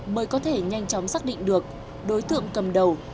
mới có thể nhanh chóng xác định được đối tượng cầm đầu